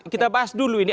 kita bahas dulu ini